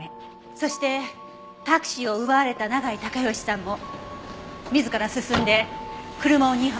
そしてタクシーを奪われた永井孝良さんも自ら進んで車を新浜に使わせた。